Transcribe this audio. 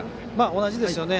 同じですね。